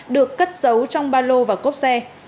được cất giấu trong ba lô và cốp xe